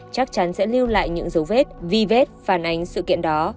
chắc chắn sẽ lưu lại những dấu vết vi vết phản ánh sự kiện đó